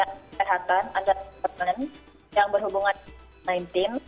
kita juga punya sehatan ada yang berhubungan dengan tim